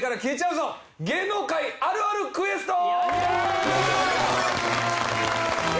芸能界あるあるクエスト。